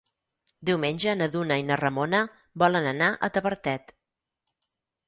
Diumenge na Duna i na Ramona volen anar a Tavertet.